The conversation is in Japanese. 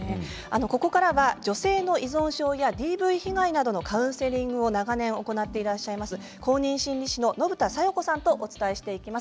ここからは女性の依存症やＤＶ被害などのカウンセリングを長年、行っていらっしゃいます公認心理師の信田さよ子さんとお伝えしていきます。